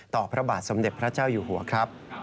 พระบาทสมเด็จพระเจ้าอยู่หัวครับ